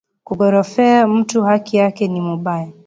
Ku gorofea mutu haki yake ni mubaya